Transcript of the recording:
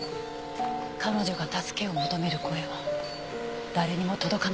彼女が助けを求める声は誰にも届かなかった。